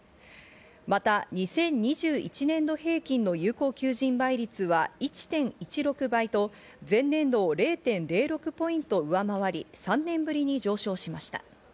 また２０２１年度平均の有効求人倍率は１．１６倍と前年度を０．０６ポイント上回り３年ぶりに上昇しました。